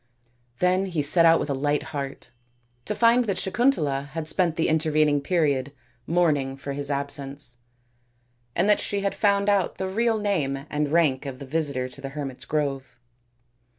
Then he set out with a light heart, to find that Sakun tala had spent the intervening period mourning for his absence, and that she had found out the real name and rank of the visitor to the hermits' grove.